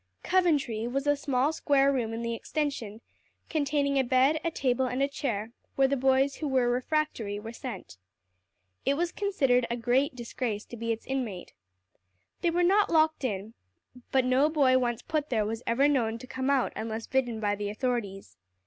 "Coventry" was a small square room in the extension, containing a bed, a table, and a chair, where the boys who were refractory were sent. It was considered a great disgrace to be its inmate. They were not locked in; but no boy once put there was ever known to come out unless bidden by the authorities.